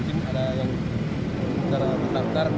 jadi mungkin ada yang bisa diperlukan oleh petani yang berada di bawah ini